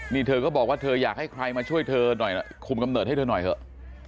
นี่เธอก็บอกว่าเธออยากให้ใครมาช่วยเธอหน่อยคุมกำเนิดให้เธอหน่อยเถอะ